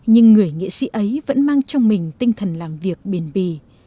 nghệ sĩ ấy vẫn mang trong mình tinh thần làm việc bền bì